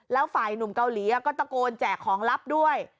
แล้วฝ่ายหนุ่มเกาหลีก็ตะโกนแจกของลับด้วย